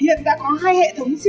hiện đã có hai hệ thống siêu thị lớn